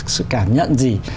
sự cảm nhận gì